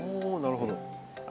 おなるほど。